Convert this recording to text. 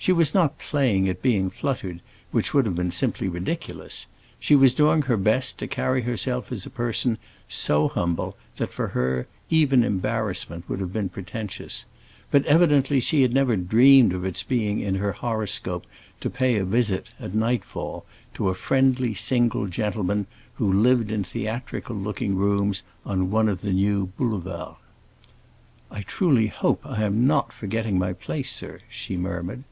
She was not playing at being fluttered, which would have been simply ridiculous; she was doing her best to carry herself as a person so humble that, for her, even embarrassment would have been pretentious; but evidently she had never dreamed of its being in her horoscope to pay a visit, at night fall, to a friendly single gentleman who lived in theatrical looking rooms on one of the new Boulevards. "I truly hope I am not forgetting my place, sir," she murmured.